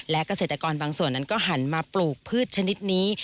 และเกษตรกรบางส่วนนั้นก็หันมาปลูกพืชชนิดนี้